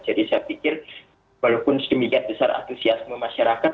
jadi saya pikir walaupun sedemikian besar atusiasme masyarakat